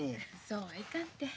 そうはいかんて。